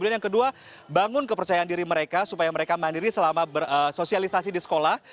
yang kedua bangun kepercayaan diri mereka supaya mereka mandiri selama bersosialisasi di sekolah